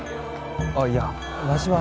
あっいやわしは。